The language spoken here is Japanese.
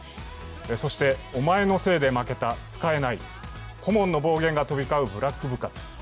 そして、お前のせいで負けた、使えない、顧問の暴言が飛び交うブラック部活。